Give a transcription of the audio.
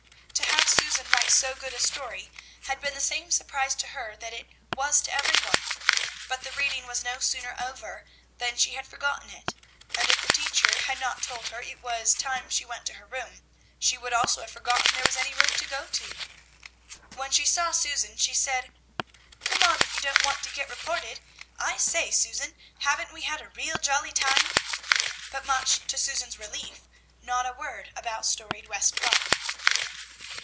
To have Susan write so good a story had been the same surprise to her that it was to every one; but the reading was no sooner over, than she had forgotten it, and if the teacher had not told her it was time she went to her room, she would also have forgotten there was any room to go to. When she saw Susan she said, "Come on if you don't want to get reported. I say, Sue, haven't we had a real jolly time?" but much to Susan's relief not a word about "Storied West Rock."